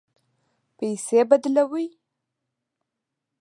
پیسې بدلوئ؟